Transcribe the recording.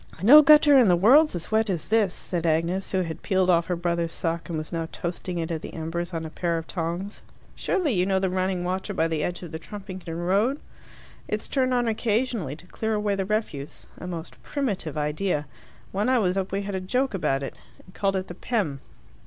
"No gutter in the world's as wet as this," said Agnes, who had peeled off her brother's sock, and was now toasting it at the embers on a pair of tongs. "Surely you know the running water by the edge of the Trumpington road? It's turned on occasionally to clear away the refuse a most primitive idea. When I was up we had a joke about it, and called it the 'Pem.